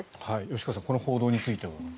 吉川さんこの報道については？